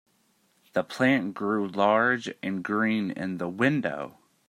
The plant grew large and green in the window.